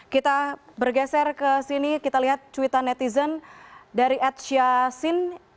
kita bergeser ke sini kita lihat cuitan netizen dari at syasin